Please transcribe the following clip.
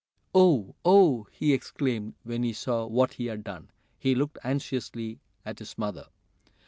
"Oh! Oh!" he exclaimed when he saw what he had done. He looked anxiously at his mother.